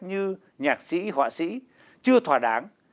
như nhạc sĩ họa sĩ chưa thỏa đáng